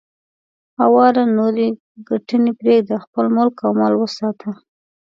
اواره نورې ګټنې پرېږده، خپل ملک او مال وساته.